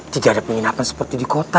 tidak ada penginapan seperti di kota